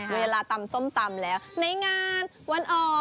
เวลาตำส้มตำแล้วในงานวันออก